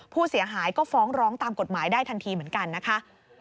ผู้เสียหายก็ฟ้องร้องตามกฎหมายได้ทันทีเหมือนกันนะคะ